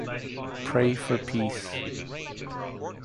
Pray for peace.